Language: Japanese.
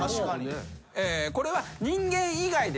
これは。